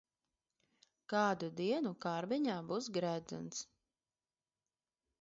Kādu dienu kārbiņā būs gredzens.